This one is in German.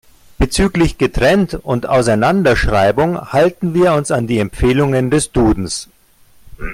Bezüglich Getrennt- und Auseinanderschreibung halten wir uns an die Empfehlungen des Dudens.